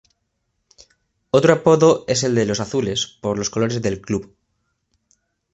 Otro apodo es el de "Los Azules" por los colores del club.